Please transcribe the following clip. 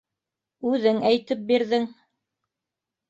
Үҙең әйтеп бирҙең.